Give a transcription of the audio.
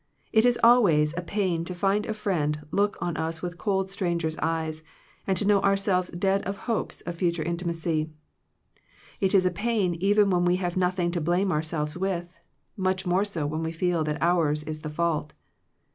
It is al ways a pain to find a friend look on us with cold stranger's eyes, and to know ourselves dead of hopes of future inti macy. It is a pain even when we have nothing to blame ourselves with, much more so when we feel that ours is the fault.